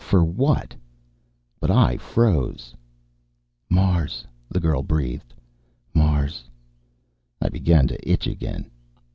For what? But I froze. "Mars," the girl breathed. "Mars." I began to itch again.